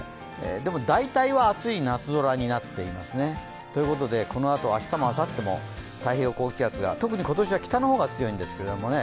でも大体は暑い夏空になっていますね。ということで明日もあさっても、太平洋高気圧が特に今年は、北の方が強いんですけどね